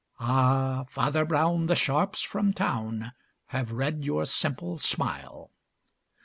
Ah, Farmer Brown, the sharps from town, Have read your simple smile!